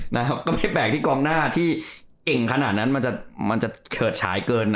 แล้วก็ไม่แปลกที่กล้องหน้าที่เอ็งขนาดนั้นมันจะเผิดฉายเกิน